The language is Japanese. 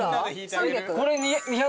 ３００？